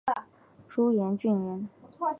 珠崖郡人。